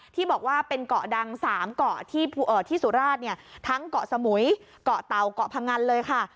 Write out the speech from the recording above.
ที่บอกว่าเป็นเกาะดัง๓เกาะที่สุราชเนี่ยทั้งเกาะสมุยเกาะเตาเกาะพงันเลยค่ะ